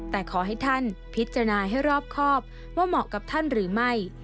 แต่ขอให้ท่านพิจารณาให้รอบครอบว่าเหมาะกับท่านหรือไม่